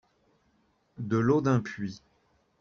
De l'eau d'un puits.